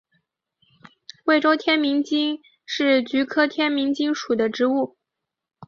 贵州天名精是菊科天名精属的植物。